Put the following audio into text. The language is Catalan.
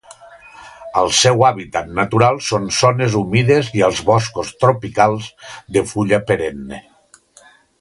El seu hàbitat natural són zones humides i els boscos tropicals de fulla perenne.